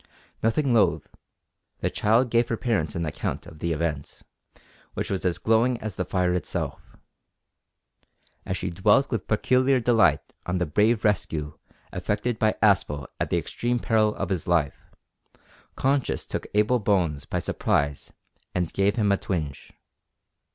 Nothing loath, the child gave her parents an account of the event, which was as glowing as the fire itself. As she dwelt with peculiar delight on the brave rescue effected by Aspel at the extreme peril of his life, conscience took Abel Bones by surprise and gave him a twinge.